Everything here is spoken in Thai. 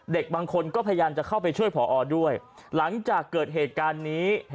เด็กบางคนก็พยายามจะเข้าไปช่วยผอด้วยหลังจากเกิดเหตุการณ์นี้